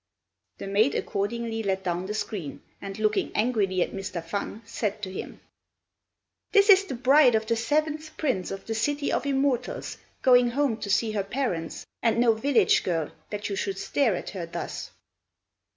The maid accordingly let down the screen, and looking angrily at Mr. Fang, said to him, "This is the bride of the Seventh Prince in the City of Immortals going home to see her parents, and no village girl that you should stare at her thus."